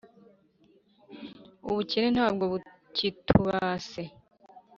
ubukene ntabwo bukitubase